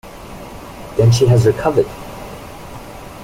Then she has recovered!